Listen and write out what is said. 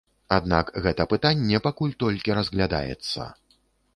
Аднак гэта пытанне пакуль толькі разглядаецца.